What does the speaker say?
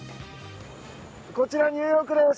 こちらニューヨークです。